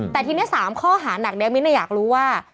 แต่ทีนี้๓ข้อหานักเนี่ยมิ้นอยากรู้ว่า